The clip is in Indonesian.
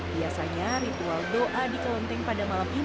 biasanya ritual doa di kelenteng pada malam ini